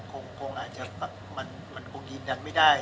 คงอาจจะมันคงยืนยันไม่ได้